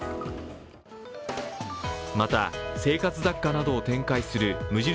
また、生活雑貨などを展開する無印